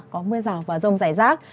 có mưa rào và rông rải rác